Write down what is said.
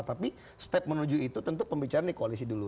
tapi step menuju itu tentu pembicaraan di koalisi dulu